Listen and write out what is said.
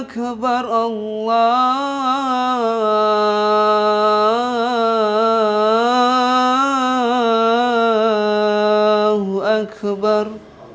allahu akbar allahu akbar